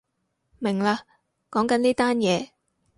明喇，講緊呢單嘢